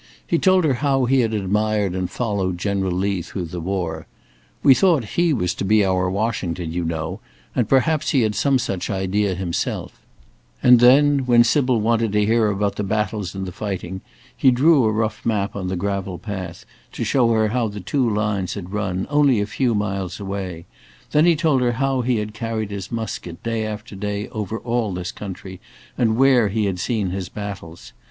He told her how he had admired and followed General Lee through the war. "We thought he was to be our Washington, you know; and perhaps he had some such idea himself;" and then, when Sybil wanted to hear about the baffles and the fighting, he drew a rough map on the gravel path to show her how the two lines had run, only a few miles away; then he told her how he had carried his musket day after day over all this country, and where he had seen his battles.